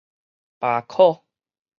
罷考